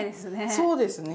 そうですね。